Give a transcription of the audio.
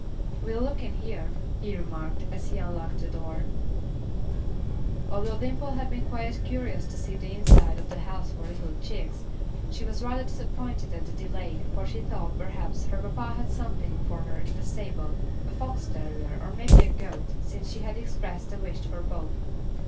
"We'll look in here," he remarked, as he unlocked the door. Although Dimple had been quite curious to see the inside of the "house for little chicks," she was rather disappointed at the delay, for she thought, perhaps, her papa had something for her in the stable, a fox terrier, or maybe a goat, since she had expressed a wish for both.